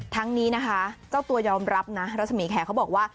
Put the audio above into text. ทั้งนี้นะคะเจ้าตัวยอมรับนะรัศมีแขกเขาบอกว่า